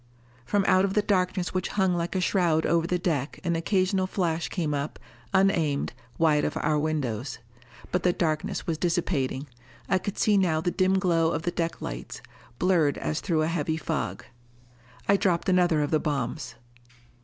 From out of the darkness which hung like a shroud over the deck an occasional flash came up, unaimed, wide of our windows. But the darkness was dissipating. I could see now the dim glow of the deck lights, blurred as through a heavy fog. I dropped another of the bombs.